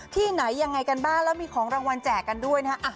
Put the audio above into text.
ที่ไหนยังไงกันบ้างแล้วมีของรางวัลแจกกันด้วยนะฮะ